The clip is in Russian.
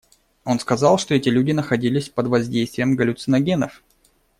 Он сказал, что эти люди находились под воздействием галлюциногенов.